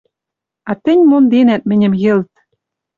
А тӹнь монденӓт мӹньӹм йӹлт.